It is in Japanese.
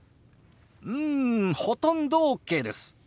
うんほとんどＯＫです。